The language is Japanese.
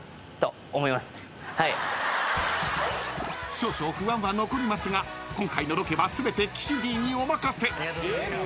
［少々不安は残りますが今回のロケは全て岸Ｄにお任せ］